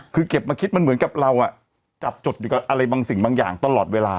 คือเก็บมาคิดมันเหมือนกับเราจับจดอยู่กับอะไรบางสิ่งบางอย่างตลอดเวลา